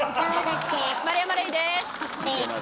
丸山礼です。